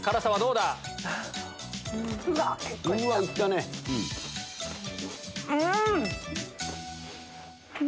うん！